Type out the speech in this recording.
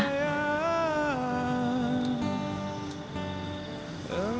aku terpaksa mencari kamu